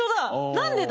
何でだ？